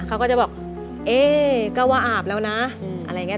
เค้าก็จะบอกเอ๊ก็ว่าอาบแล้วนะอะไรเนี่ย